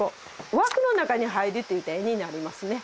枠の中に入るって絵になりますね。